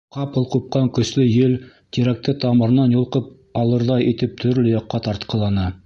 Ҡапыл ҡупҡан көслө ел тирәкте тамырынан йолҡоп алырҙай итеп төрлө яҡҡа тартҡыланы.